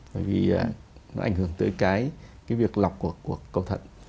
bởi vì nó ảnh hưởng tới cái việc lọc của cầu thận